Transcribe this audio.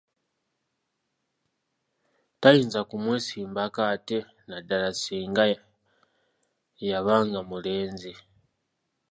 Tayinza kumwesimbako ate naddala ssinga yabanga mulenzi.